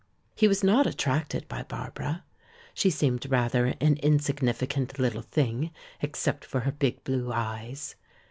He was not attracted by Barbara. She seemed rather an insignificant little thing except for her big blue eyes.